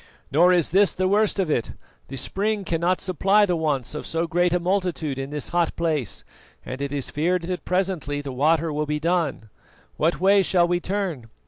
Nor is this the worst of it: the spring cannot supply the wants of so great a multitude in this hot place, and it is feared that presently the water will be done. What way shall we turn?